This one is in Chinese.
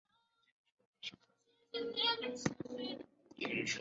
退火过程中间会有三个阶段。